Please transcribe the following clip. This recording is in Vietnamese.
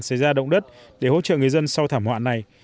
xảy ra động đất để hỗ trợ người dân sau thảm họa này